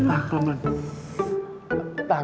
oke ya aku perlahan lahan